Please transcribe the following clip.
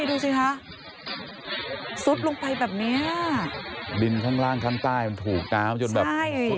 ดูสิคะซุดลงไปแบบเนี้ยดินข้างล่างข้างใต้มันถูกน้ำจนแบบใช่